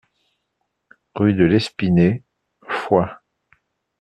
Rue de l'Espinet, Foix